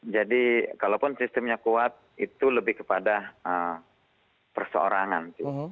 jadi kalaupun sistemnya kuat itu lebih kepada perseorangan